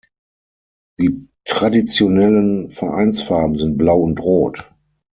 Die traditionellen Vereinsfarben sind Blau und Rot.